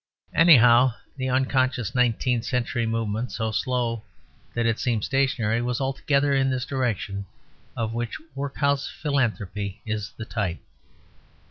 Anyhow, the unconscious nineteenth century movement, so slow that it seems stationary, was altogether in this direction, of which workhouse philanthropy is the type.